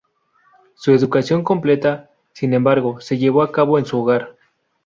Su educación completa, sin embargo, se llevó a cabo en su hogar.